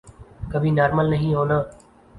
کبھی نارمل نہیں ہونا۔